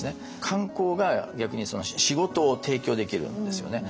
観光が逆にその仕事を提供できるんですよね。